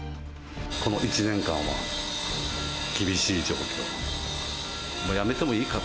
この１年間は、厳しい状況。